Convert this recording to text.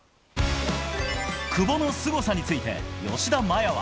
久保のすごさについて、吉田麻也は。